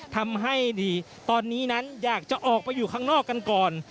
ทำให้ตอนนี้นั้นอยากจะออกไปอยู่ข้างนอกกันก่อน